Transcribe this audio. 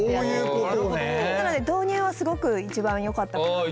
なので導入はすごく一番よかったかなと。